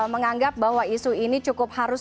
menganggap bahwa isu ini cukup harus